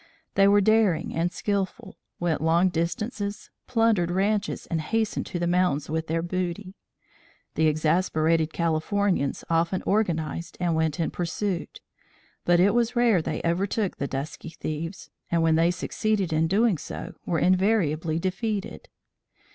They were daring and skilful, went long distances, plundered ranches and hastened to the mountains with their booty. The exasperated Californians often organized and went in pursuit, but it was rare they overtook the dusky thieves, and when they succeeded in doing so, were invariably defeated.